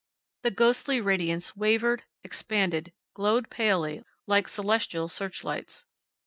The ghostly radiance wavered, expanded, glowed palely, like celestial searchlights.